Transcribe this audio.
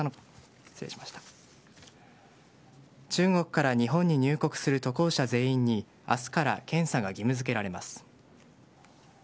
中国から日本に入国する渡航者全員に明日から検査が義務付けられます。